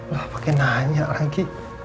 lah pake nanya lagi